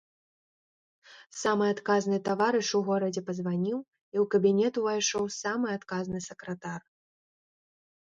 Самы адказны таварыш у горадзе пазваніў, і ў кабінет увайшоў самы адказны сакратар.